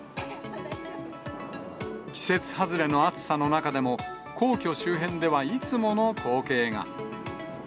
季節外れの暑さの中でも、皇居周辺ではいつもの光景が。